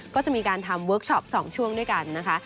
ก็จะมีการทำเวิร์คชอป๒ช่วงด้วยกันนะคะ